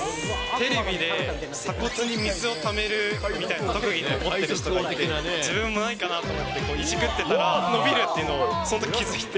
テレビで、鎖骨に水をためるみたいな特技を持ってる人がいて、自分もないかなと思って、いじくってたら、伸びるっていうのをそのとき気付いて。